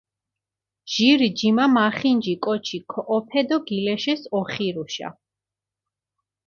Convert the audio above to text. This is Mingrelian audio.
ჟირი ჯიმა მახინჯი კოჩი ქოჸოფე დო გილეშეს ოხირუშა.